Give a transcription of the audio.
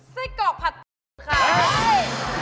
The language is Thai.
ไส้กอกผัดไอ